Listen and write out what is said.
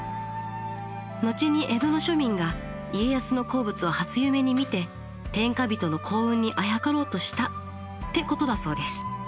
後に江戸の庶民が家康の好物を初夢に見て天下人の幸運にあやかろうとしたってことだそうです。